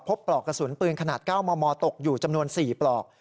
ปลอกกระสุนปืนขนาด๙มมตกอยู่จำนวน๔ปลอก